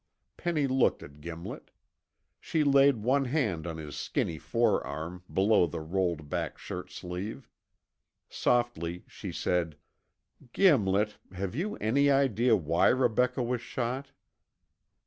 Penny looked at Gimlet. She laid one hand on his skinny forearm below the rolled back shirtsleeve. Softly she said, "Gimlet, have you any idea why Rebecca was shot?"